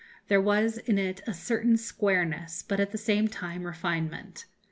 There was in it a certain squareness, but at the same time refinement.